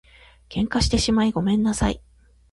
喧嘩してしまいごめんなさい